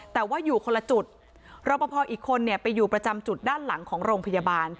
แต่ว่าอยู่คนละจุดรอปภอีกคนเนี่ยไปอยู่ประจำจุดด้านหลังของโรงพยาบาล